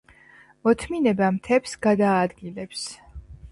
მოთმინება მთებს გადაადგილებს.